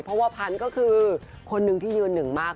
เพราะว่าพันธุ์ก็คือคนหนึ่งที่ยืนหนึ่งมาก